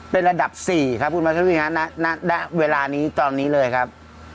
เป็นระดับ๔ครับคุณมัธวินฮะณเวลานี้ตอนนี้เลยครับ